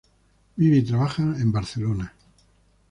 Vive y trabaja en Barcelona.